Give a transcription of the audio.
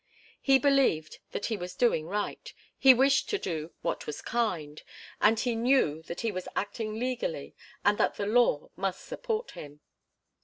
He believed that he was doing right, he wished to do what was kind, and he knew that he was acting legally and that the law must support him.